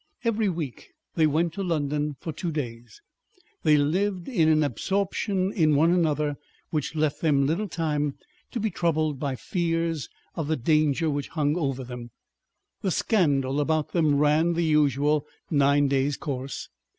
Every week they went to London for two days. They lived in an absorption in one another which left them little time to be troubled by fears of the danger which hung over them. The scandal about them ran the usual nine days' course.